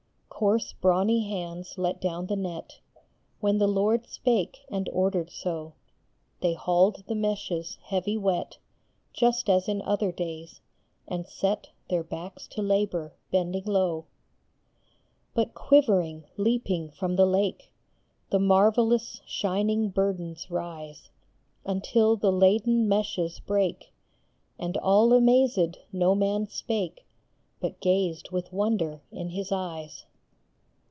30 MIRACLE. Coarse, brawny hands let down the net When the Lord spake and ordered so ; They hauled the meshes, heavy wet, Just as in other days, and set Their backs to labor, bending low ; But quivering, leaping from the lake The marvellous, shining burdens rise Until the laden meshes break, And, all amazed, no man spake, But gazed with wonder in his eyes.